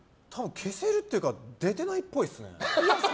消せるっていうか出てないっぽいですね。